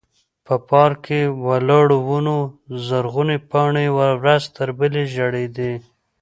په پارک کې ولاړو ونو زرغونې پاڼې ورځ تر بلې ژړېدې.